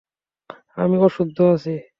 আমি অশুদ্ধ আছি।